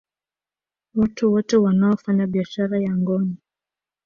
Watu wote wanaoufanya biashara ya ngono